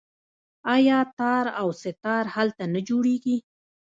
آیا تار او سه تار هلته نه جوړیږي؟